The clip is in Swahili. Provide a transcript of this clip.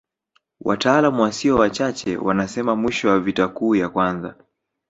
Wataalamu wasio wachache wanasema mwisho wa vita kuu ya kwanza